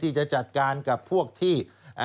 ที่จะจัดการกับพวกที่